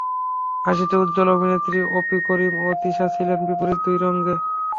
হাসিতে উচ্ছল অভিনেত্রী অপি করিম ও তিশা ছিলেন বিপরীত দুই রঙে।